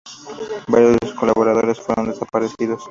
Varios de sus colaboradores fueron desaparecidos.